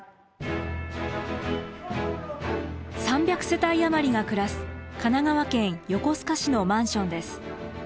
３００世帯余りが暮らす神奈川県横須賀市のマンションです。